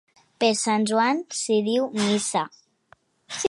Per sant Joan s'hi diu missa.